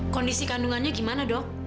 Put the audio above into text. kondisi kandungannya gimana dok